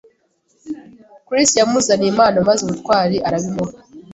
Chris yamuzaniye impano maze ubutwari arabimuha.